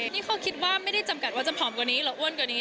นี่เขาคิดว่าไม่ได้จำกัดว่าจะผอมกว่านี้หรืออ้วนกว่านี้